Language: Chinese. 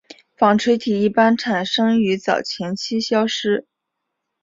纺锤体一般产生于早前期消失。